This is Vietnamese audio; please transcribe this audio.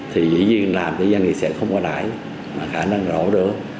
thì dĩ nhiên làm thì doanh nghiệp sẽ không có đải mà khả năng đổ được